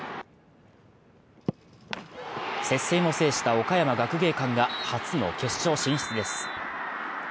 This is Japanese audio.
接戦を制した岡山学芸館が初の決勝進出です。